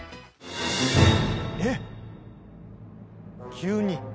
急に！